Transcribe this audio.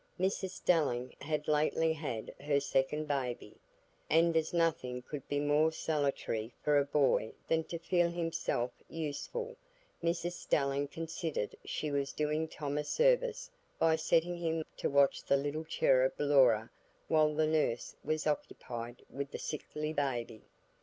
Mrs Stelling had lately had her second baby, and as nothing could be more salutary for a boy than to feel himself useful, Mrs Stelling considered she was doing Tom a service by setting him to watch the little cherub Laura while the nurse was occupied with the sickly baby.